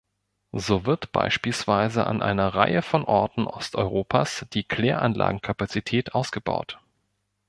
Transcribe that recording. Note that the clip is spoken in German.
So wird beispielsweise an einer Reihe von Orten Osteuropas die Kläranlagenkapazität ausgebaut.